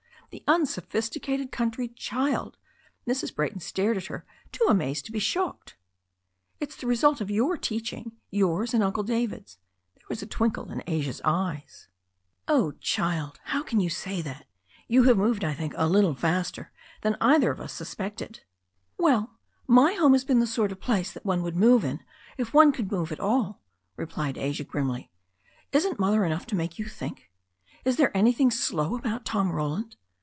The unsophisticated country child !" Mrs. Brayton stared at her, too amazed to be shocked. "It's the result of your teaching, yours and Uncle Da vid's." There was a twinkle in Asia's eyes. yHE STORY OF A NEW ZEALAND RIVER 231 "Oh, child! How can you say that? You have moved, I think, a little faster than either of us suspected." "Well, my home has been the sort of place that one would move in, if one could move at all," replied Asia grimly. "Isn't Mother enough to make you think? And is there anything slow about Tom Roland?